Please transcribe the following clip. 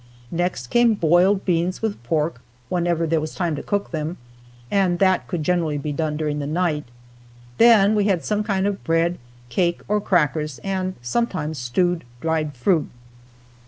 Next came boiled beans with pork, whenever there was time to cook them; and that could generally be done during the night. Then we had some kind of bread, cake or crackers, and sometimes stewed dried fruit.